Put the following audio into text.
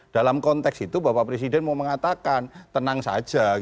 dalam konteks itu bapak presiden mau mengatakan tenang saja